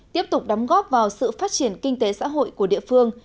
tiếp tục đóng góp vào sự phát triển kinh tế xã hội của địa phương